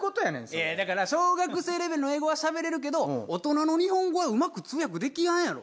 いやいやだから小学生レベルの英語はしゃべれるけど大人の日本語はうまく通訳できやんやろ？